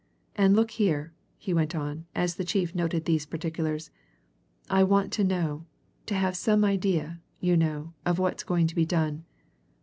And look here," he went on, as the chief noted these particulars, "I want to know, to have some idea, you know, of what's going to be done.